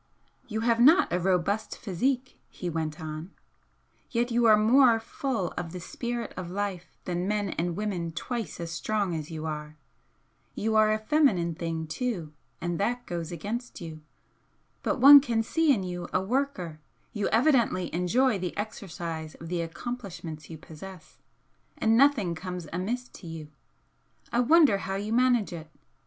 "You have not a robust physique," he went on "Yet you are more full of the spirit of life than men and women twice as strong as you are. You are a feminine thing, too, and that goes against you. But one can see in you a worker you evidently enjoy the exercise of the accomplishments you possess and nothing comes amiss to you. I wonder how you manage it?